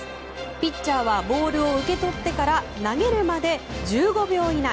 ピッチャーはボールを受け取ってから投げるまで１５秒以内。